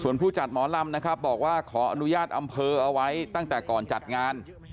ผู้จัดหมอลำนะครับบอกว่าขออนุญาตอำเภอเอาไว้ตั้งแต่ก่อนจัดงาน